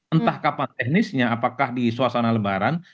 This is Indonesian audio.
entah kapan teknisnya apakah di suasana lebaran